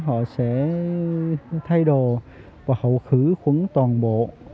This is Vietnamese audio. thì họ sẽ thay đồ và họ khử khuẩn toàn bộ